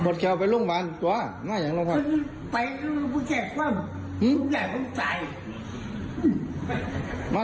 ปวดแขววก็ไปโรงพยาบาลยังมาโรงพยาบาลอันนี้โรงพัก